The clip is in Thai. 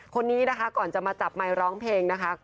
คนนี้นะคะก่อนจะมาจับไมค์ร้องเพลงนะคะ